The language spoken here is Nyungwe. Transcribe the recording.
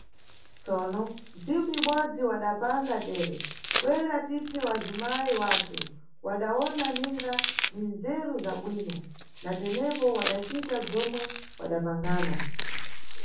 Tsono, tsiku ibodzi wadapangana tere: bwera tiphe wazimayi wathu, wadawona ninga ndindzeru zabwino, natenepo wadacita bzomwe wadapangana.